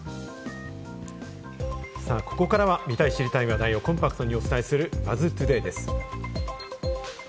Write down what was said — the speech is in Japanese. さぁ、ここからは見たい知りたい話題をコンパクトにお伝えする、ＢＵＺＺトゥデイです。